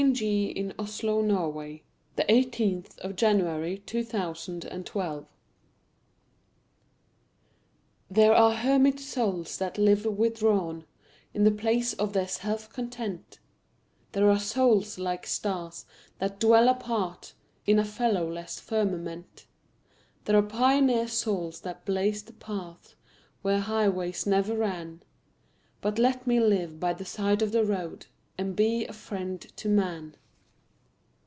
K L . M N . O P . Q R . S T . U V . W X . Y Z The House by the Side of the Road THERE are hermit souls that live withdrawn In the place of their self content; There are souls like stars, that dwell apart, In a fellowless firmament; There are pioneer souls that blaze the paths Where highways never ran But let me live by the side of the road And be a friend to man.